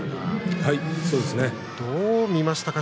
どう見ましたか？